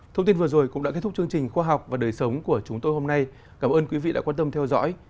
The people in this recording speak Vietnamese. thông tin vừa rồi cũng đã kết thúc chương trình khoa học và đời sống của chúng tôi hôm nay cảm ơn quý vị đã quan tâm theo dõi